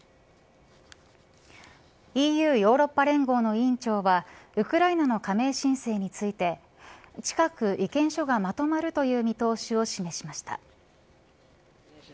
ＥＵヨーロッパ連合の委員長はウクライナの加盟申請について近く意見書がまとまるという見通しを示しました。